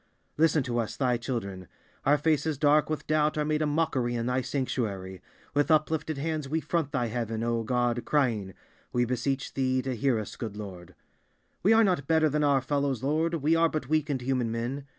Listen to us, Thy children: our faces dark with doubt are made a mockery in Thy sanctuary. With uplifted hands we front Thy heaven, O God, crying:We beseech Thee to hear us, good Lord! We are not better than our fellows, Lord, we are but weak and human men.